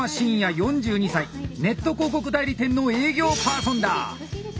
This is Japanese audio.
ネット広告代理店の営業パーソンだ！